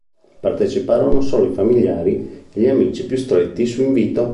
Parteciparono solo i familiari e gli amici più stretti su invito.